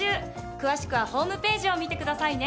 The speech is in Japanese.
詳しくはホームページを見てくださいね。